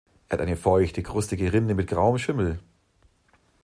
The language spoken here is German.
Er hat eine feuchte krustige Rinde mit grauem Schimmel.